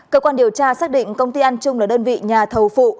cơ quan điều tra xác định công ty an trung là đơn vị nhà thầu phụ